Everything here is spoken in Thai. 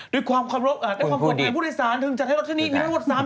ด้วยความควบคุยที่ผู้โดยสารถึงจัดให้รถที่นี้มีทั้งหมด๓ท่าน